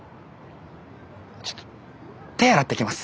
ちょっと手洗ってきます。